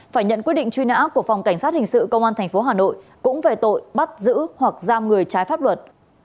phải nhận quyết định truy nã của phòng cảnh sát hình sự công an tp hà nội cũng về tội bắt giữ hoặc giam người trái pháp luật